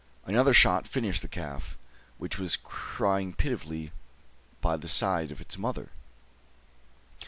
Another shot finished the calf, which was crying pitifully by the side of its mother.